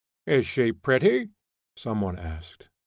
"Is she pretty?" some one asked.